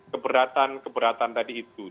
keberatan keberatan tadi itu